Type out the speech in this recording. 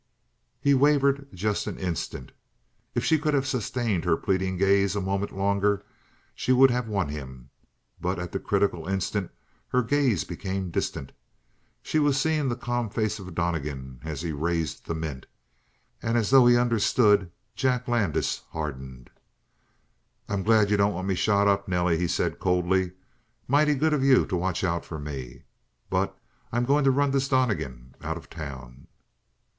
He wavered just an instant. If she could have sustained her pleading gaze a moment longer she would have won him, but at the critical instant her gaze became distant. She was seeing the calm face of Donnegan as he raised the mint. And as though he understood, Jack Landis hardened. "I'm glad you don't want me shot up, Nelly," he said coldly. "Mighty good of you to watch out for me. But I'm going to run this Donnegan out of town!"